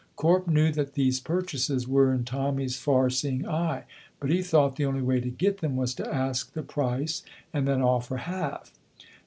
Corp knew that these purchases were in Tommy's far seeing eye, but he thought the only way to get them was to ask the price and then offer half.